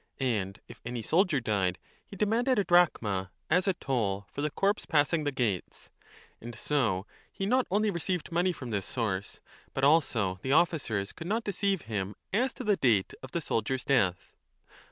1 And if any soldier died, he demanded 2 a drachma as a toll 25 for the corpse passing the gates ; and so he not only received money from this source, but also the officers could not deceive him as to the date of the soldier s death.